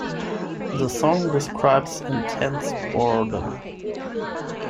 The song describes intense boredom.